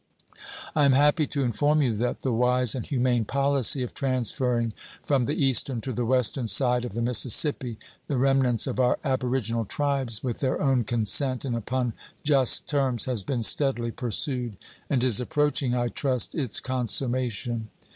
I am happy to inform you that the wise and humane policy of transferring from the eastern to the western side of the Mississippi the remnants of our aboriginal tribes, with their own consent and upon just terms, has been steadily pursued, and is approaching, I trust, its consummation.